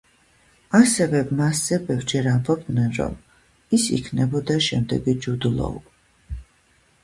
ასევე მასზე ბევრჯერ ამბობდნენ, რომ ის იქნებოდა შემდეგი ჯუდ ლოუ.